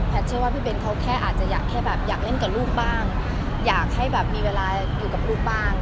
เชื่อว่าพี่เบ้นเขาแค่อาจจะอยากแค่แบบอยากเล่นกับลูกบ้างอยากให้แบบมีเวลาอยู่กับลูกบ้าง